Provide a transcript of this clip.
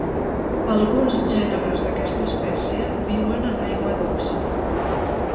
Alguns gèneres d'aquesta espècie viuen en aigua dolça.